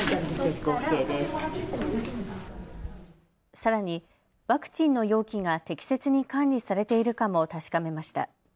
さらにワクチンの容器が適切に管理されているかも確かめました。